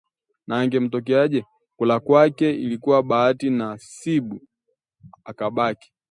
Na yangemtokaje? Kula kwake ilikuwa bahati na sibu! Akabaki